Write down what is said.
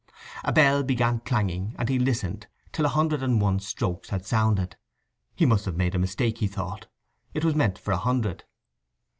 A bell began clanging, and he listened till a hundred and one strokes had sounded. He must have made a mistake, he thought: it was meant for a hundred.